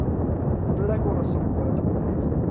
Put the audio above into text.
Főleg oroszok voltak ott.